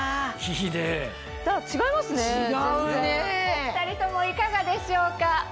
お２人ともいかがでしょうか？